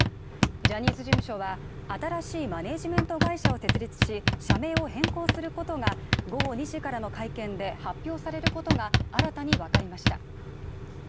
ジャニーズ事務所は新しいマネジメント会社を設立し、社名を変更することが午後２時からの会見で発表されることが新たにわかりました。